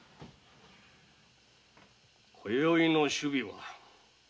こよいの首尾は？